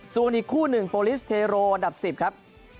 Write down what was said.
ส่วนอีกคู่หนึ่งโปรลิสเทโรอันดับ๑๐ครับ